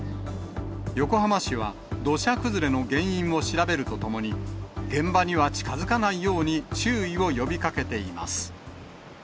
横浜市は、土砂崩れの原因を調べるとともに、現場には近づかないように注意を呼びかけています。